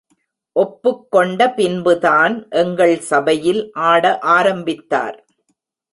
ஒப்புக்கொண்ட பின்புதான் எங்கள் சபையில் ஆட ஆரம்பித்தார்.